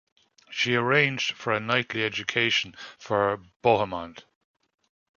She arranged for a knightly education for Bohemond.